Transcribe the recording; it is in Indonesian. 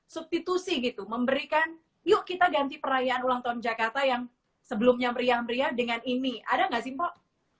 substitusi gitu memberikan yuk kita ganti perayaan ulang tahun jakarta yang sebelumnya meriah meriah dengan ini ada nggak sih mbak